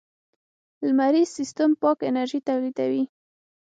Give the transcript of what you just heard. لمریز سیستم پاک انرژي تولیدوي.